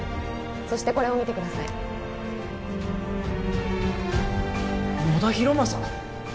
そしてこれを見てください野田浩正！？